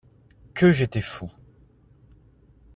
Que j’étais fou.